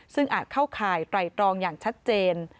ซึ่งอาจเข้าข่ายไตรตรองอย่างชัดเจน